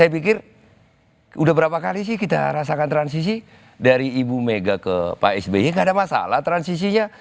saya pikir udah berapa kali sih kita rasakan transisi dari ibu mega ke pak sby gak ada masalah transisinya